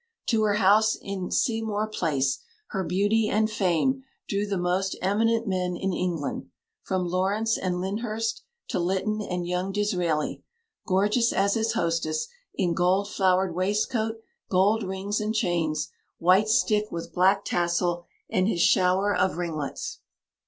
To her house in Seamore Place her beauty and fame drew the most eminent men in England, from Lawrence and Lyndhurst to Lytton and young Disraeli, gorgeous as his hostess, in gold flowered waistcoat, gold rings and chains, white stick with black tassel, and his shower of ringlets.